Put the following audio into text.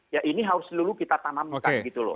ya ini harus seluruh kita tanamkan gitu loh